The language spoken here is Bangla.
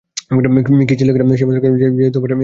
কী ছেলেখেলায় সে মাতিয়াছিল যে এমন ব্যাপার ঘটিতে দিল!